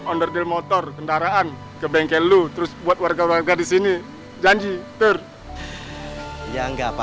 onderdel motor kendaraan ke bengkel lu terus buat warga warga di sini janji terang nggak papa bang